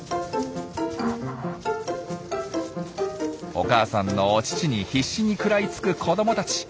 お母さんのお乳に必死に食らいつく子どもたち。